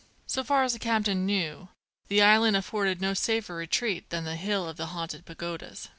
So far as the captain knew, the island afforded no safer retreat than the hill of the Haunted Pagodas.